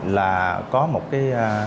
là có một cái